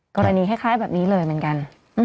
กรณีคล้ายแบบนี้เลยเหมือนกัน